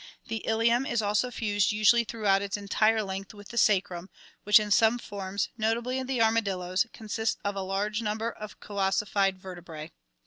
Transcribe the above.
The ilium is also fused usually throughout its entire length with the sacrum, which in some forms, notably the armadillos, consists of a large number of coossified vertebrae.